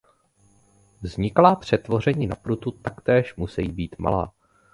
Vzniklá přetvoření na prutu taktéž musejí být malá.